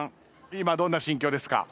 今どんな心境ですか？